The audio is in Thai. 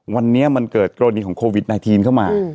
วันนี้มันเกิดกรณีของโควิด๑๙เข้ามา